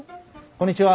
こんにちは。